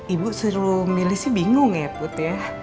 ibu suruh milih sih bingung ya put ya